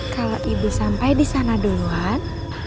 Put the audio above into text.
kalau ibu sampai di sana duluan